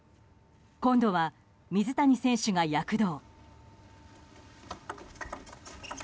今度は水谷選手が躍動。